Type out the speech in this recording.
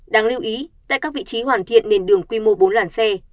đáng lưu ý tại các vị trí hoàn thiện nền đường quy mô bốn làn xe